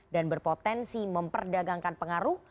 dan berpotensi memperdagangkan pengaruh